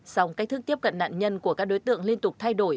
song cách thức tiếp cận nạn nhân của các đối tượng liên tục thay đổi